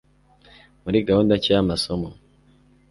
muri gahunda nshya y amasomo